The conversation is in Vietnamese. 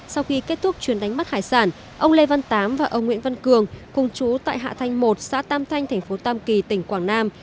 sau khi kết thúc chuyến đánh bắt hải sản ông lê văn tám và ông nguyễn văn cường cùng chú tại hạ thanh một xã tam thanh thành phố tam kỳ tỉnh quảng nam